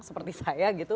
seperti saya gitu